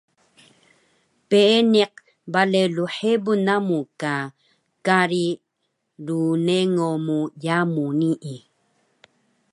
Peeniq bale lhebun namu ka kari rnengo mu yamu nii